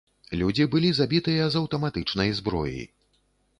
Людзі былі забітыя з аўтаматычнай зброі.